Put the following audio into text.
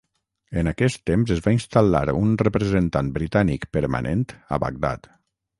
En aquest temps es va instal·lar un representant britànic permanent a Bagdad.